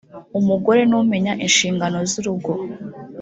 umugore numenya ishingano zurugo.